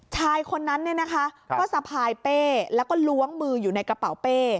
ชายคนนั้นเนี่ยนะคะก็สะพายเป้แล้วก็ล้วงมืออยู่ในกระเป๋าเป้